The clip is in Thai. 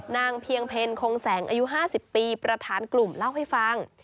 เพียงเพลคงแสงอายุ๕๐ปีประธานกลุ่มเล่าให้ฟัง